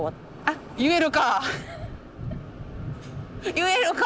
言えるか！